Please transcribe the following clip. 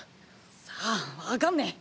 さぁわかんねえ。